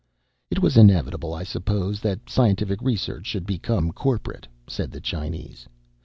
"It was inevitable, I suppose, that scientific research should become corporate," said the Chinese.